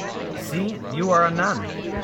See, you are a nun.